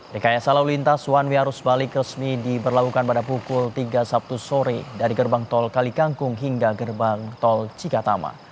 rekayasa lalu lintas one way arus balik resmi diberlakukan pada pukul tiga sabtu sore dari gerbang tol kalikangkung hingga gerbang tol cikatama